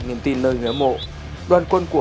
niềm tin nơi người ấm mộ đoàn quân của